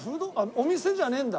お店じゃねえんだ。